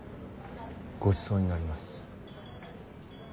ごちそうになります。